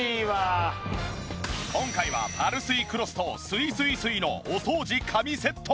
今回はパルスイクロスとすいすい水のお掃除神セット。